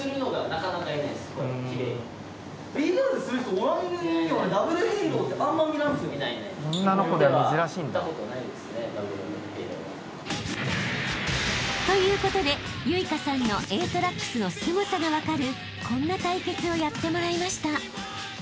すごい！［ということで結翔さんのＡトラックスのすごさが分かるこんな対決をやってもらいました］